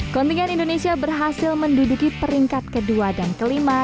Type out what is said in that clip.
kontingen indonesia berhasil menduduki peringkat kedua dan kelima